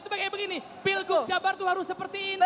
itu kayak begini pilkada jabar itu harus seperti ini